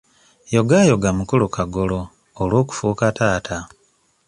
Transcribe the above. Yogaayoga mukulu Kagolo olw'okufuuka taata.